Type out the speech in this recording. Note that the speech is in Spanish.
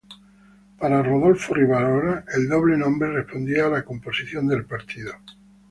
Para Rodolfo Rivarola, el doble nombre respondía a la composición del partido.